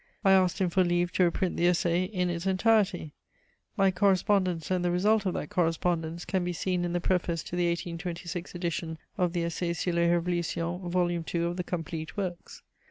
I asked him for leave to reprint the Essai in its entirety. My correspondence and the result of that correspondence can be seen in the preface to the 1826 edition of the Essai sur les Révolutions, vol. II. of the Complete Works.